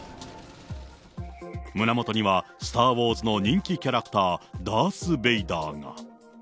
胸元にはスター・ウォーズの人気キャラクター、ダース・ベイダーが。